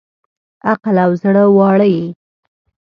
عقل او زړه واړه یې